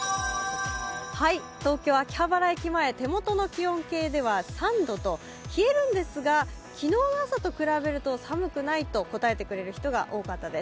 東京・秋葉原駅前、手元の気温計では３度と、冷えるんですが、昨日の朝と比べると寒くないと答えてくれる人が多かったです。